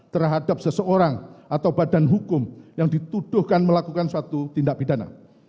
terhadap seseorang atau badan hukum yang dituduhkan melakukan suatu tindak pidana